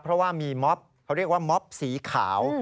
เพราะว่ามีม็อบเขาเรียกว่าม็อบสีขาว